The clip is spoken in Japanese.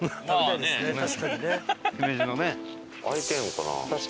開いてるのかな？